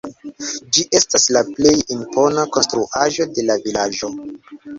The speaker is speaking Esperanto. Ĝi estas la plej impona konstruaĵo de la vilaĝo.